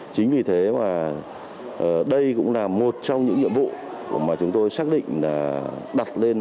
chính vì thế mà đây cũng là một trong những nhiệm vụ mà chúng tôi xác định là đặt lên